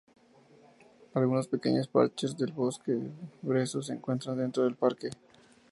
Algunos pequeños parches de bosque brezo se encuentran dentro del parque.